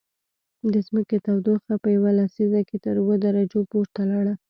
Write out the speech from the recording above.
د ځمکې تودوخه په یوه لسیزه کې تر اووه درجو پورته لاړه